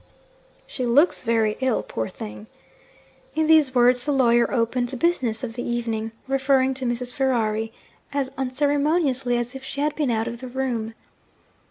'She looks very ill, poor thing!' In these words the lawyer opened the business of the evening, referring to Mrs. Ferrari as unceremoniously as if she had been out of the room.